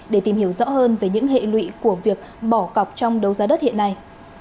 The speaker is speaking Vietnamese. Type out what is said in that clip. để tìm hiểu rõ hơn về những hệ lụy của việc bỏ cọc trong đấu giá đất hiện nay